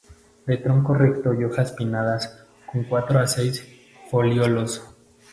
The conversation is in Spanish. De tronco recto y hojas pinnadas con cuatro a seis folíolos.